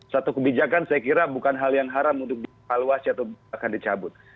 satu kebijakan saya kira bukan hal yang haram untuk divaluasi atau akan dicabut